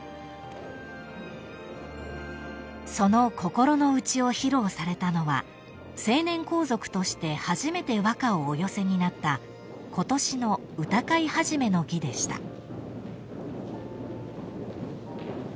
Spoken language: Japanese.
［その心の内を披露されたのは成年皇族として初めて和歌をお寄せになったことしの歌会始の儀でした］